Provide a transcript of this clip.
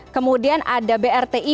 kemudian ada brti